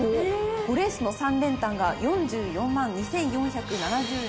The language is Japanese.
５レースの３連単が４４万２，４７０円。